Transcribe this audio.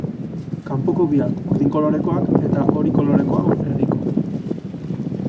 Kanpoko biak urdin kolorekoak eta hori kolorekoa erdikoa.